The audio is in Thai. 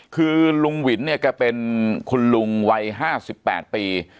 คือลุงหวินก็เป็นคุณลุงไว้๕๘ปี